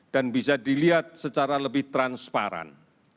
dan bisa dilihat secara lebih transparan